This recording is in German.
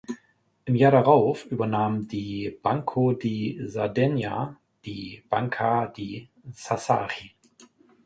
Im Jahr darauf übernahm die Banco di Sardegna die Banca di Sassari.